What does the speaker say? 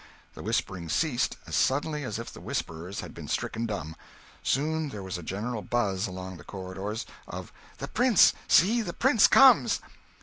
The whisperings ceased as suddenly as if the whisperers had been stricken dumb. Soon there was a general buzz along the corridors, of "The prince! See, the prince comes!"